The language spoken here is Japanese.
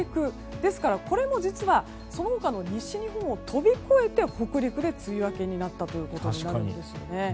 ですから、これも実はその他の西日本を飛び越えて北陸で梅雨明けとなったんです。